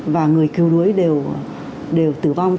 và người cứu đuối đều tử vong